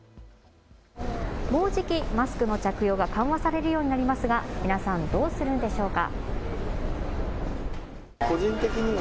もうじき、マスクの着用が緩和されるようになりますが皆さん、どうするんでしょうか。